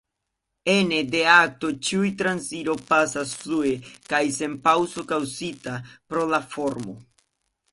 Ene de akto ĉiuj transiro pasas flue kaj sen paŭzoj kaŭzitaj pro la formo.